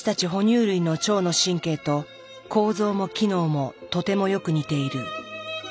哺乳類の腸の神経と構造も機能もとてもよく似ている。